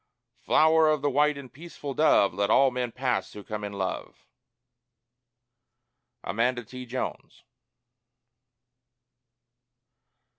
(Flower of the white and peaceful dove, Let all men pass who come in love.) AMANDA T. JONES.